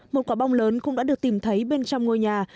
một quả bom lớn cũng đã được tìm thấy bên trong ngôi nhà